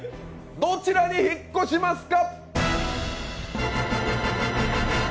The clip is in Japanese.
どちらに引っ越しますか？